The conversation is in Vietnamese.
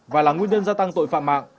và là nguyên nhân gia tăng tội phạm mạng